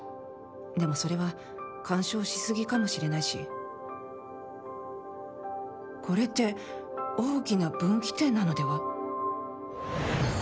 でも、それは干渉しすぎかもしれないしこれって大きな分岐点なのでは？